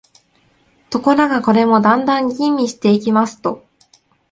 ところが、これもだんだん吟味していきますと、